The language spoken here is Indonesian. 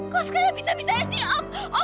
kok sekarang bisa bisa ya sih om